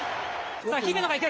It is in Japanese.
さあ、姫野がいく。